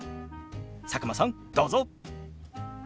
佐久間さんどうぞ！